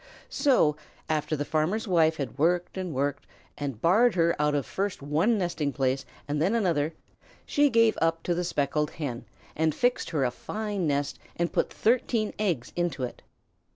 So, after the farmer's wife had worked and worked, and barred her out of first one nesting place and then another, she gave up to the Speckled Hen and fixed her a fine nest and put thirteen eggs into it.